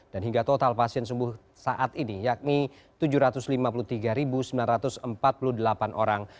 dan hingga total pasien sembuh saat ini yakni tujuh ratus lima puluh tiga sembilan ratus empat puluh delapan orang